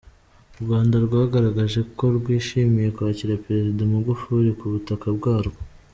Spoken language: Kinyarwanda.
U Rwanda rwagaragaje ko rwishimiye kwakira Perezida Magufuli ku butaka bwarwo.